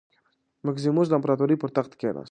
مکسیموس د امپراتورۍ پر تخت کېناست.